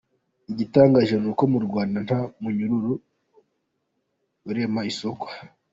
Igitangaje nuko mu Rwanda nta munyururu urema isoko.